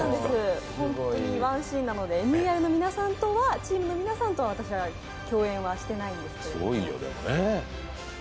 ホントにワンシーンなので、ＭＥＲのチームの皆さんとは共演はしていないんですけど。